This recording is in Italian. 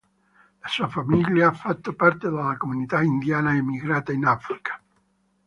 La sua famiglia ha fatto parte della comunità indiana emigrata in Africa.